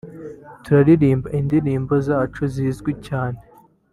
turaririmba indirimbo zacu zizwi cyane